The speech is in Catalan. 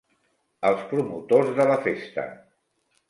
Els promotors de la festa.